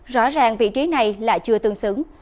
rõ ràng vị trí này là chưa tương xứng